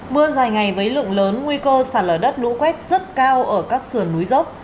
mưa dài ngày với lượng lớn nguy cơ sạt lở đất lũ quét rất cao ở các sườn núi dốc